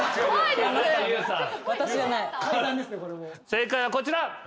正解はこちら。